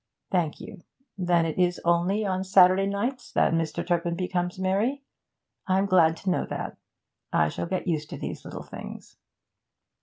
'Thank you. Then it is only on Saturday nights that Mr. Turpin becomes merry. I'm glad to know that. I shall get used to these little things.'